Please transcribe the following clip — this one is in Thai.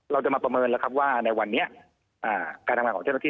เราจะมาประเมินแล้วครับว่าในวันนี้การทำงานของเจ้าหน้าที่